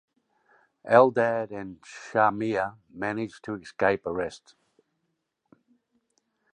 Eldad and Shamir managed to escape arrest.